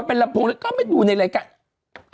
มันเป็นลำโคงก็ไม่ดูในรายการ